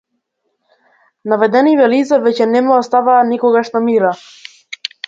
Наведениве лица веќе не ме оставаа никогаш на мира.